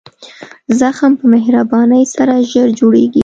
زخم په مهربانۍ سره ژر جوړېږي.